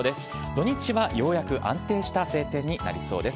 土日はようやく安定した晴天になりそうです。